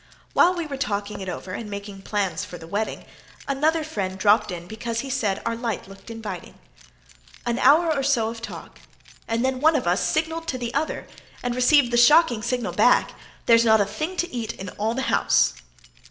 While we were talking it over and making plans for the wedding another friend dropped in because he said our "light looked inviting." An hour or so of talk and then one of us signaled to the other and received the shocking signal back, "There's not a thing to eat in the house."